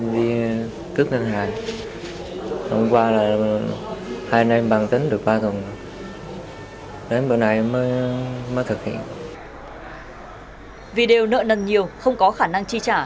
vì đều nợ nần nhiều không có khả năng chi trả